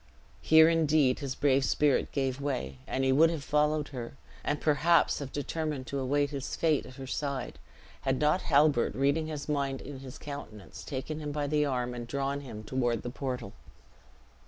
Here indeed his brave spirit gave way; and he would have followed her, and perhaps have determined to await his face at her side, had not Halbert, reading his mind in his countenance, taken him by the arm, and drawn him toward the portal.